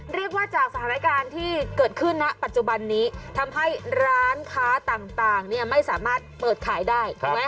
เรียกว่าจากสถานการณ์ที่เกิดขึ้นณปัจจุบันนี้ทำให้ร้านค้าต่างไม่สามารถเปิดขายได้ถูกไหม